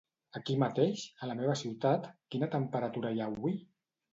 Aquí mateix, a la meva ciutat, quina temperatura hi ha avui?